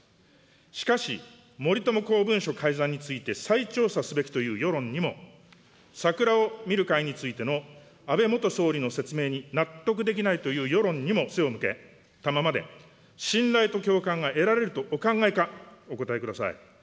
しかし、森友公文書改ざんについて再調査すべきという世論にも、桜を見る会についての安倍元総理の説明に納得できないという世論にも背を向けたままで信頼と共感がお考えか、お答えください。